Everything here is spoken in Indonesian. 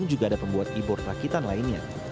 juga ada pembuat e board rakitan lainnya